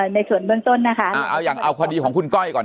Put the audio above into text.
ในส่วนเบื้องต้นนะคะเอาอย่างเอาคดีของคุณก้อยก่อน